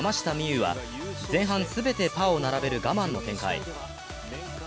有は前半全てパーを並べる我慢の展開。